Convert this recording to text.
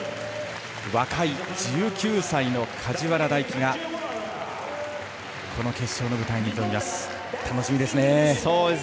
若い１９歳の梶原大暉がこの決勝の舞台に挑みます。